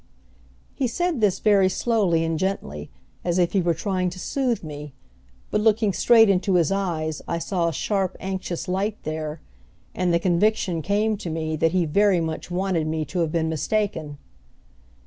He said this very slowly and gently, as if he were trying to soothe me, but looking straight into his eyes I saw a sharp anxious light there, and the conviction came to me that he very much wanted me to have been mistaken.